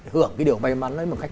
hưởng cái điều may mắn ấy